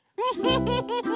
フフフフフ。